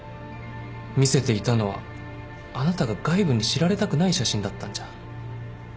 見せていたのはあなたが外部に知られたくない写真だったんじゃ？